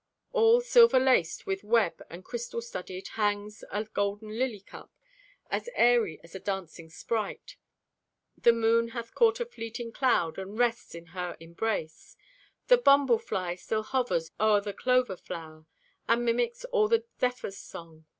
All silver laced with web and crystal studded, hangs A golden lily cup, as airy as a dancing sprite. The moon hath caught a fleeting cloud, and rests in her embrace. The bumblefly still hovers o'er the clover flower, And mimics all the zephyr's song.